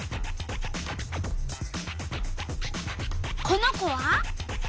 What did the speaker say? この子は？